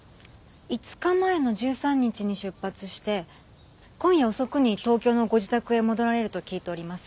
５日前の１３日に出発して今夜遅くに東京のご自宅へ戻られると聞いております。